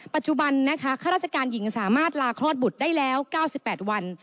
ปัจจุบันนะคะข้าราชการหญิงสามารถลาคลอดบุตรได้แล้ว๙๘วัน